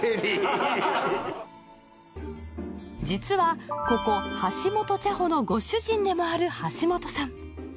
実はここはしもと茶舗のご主人でもある橋本さん。